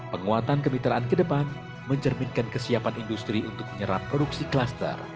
penguatan kemitraan kedepan mencerminkan kesiapan industri untuk menyeram produksi klaster